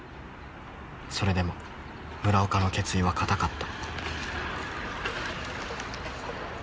それでも村岡の決意は固かった。